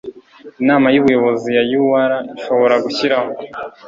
Inama y Ubuyobozi ya UR ishobora gushyiraho